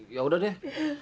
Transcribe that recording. ya udah deh